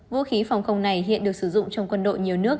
vũ khí phòng không này hiện được sử dụng trong quân đội nhiều nước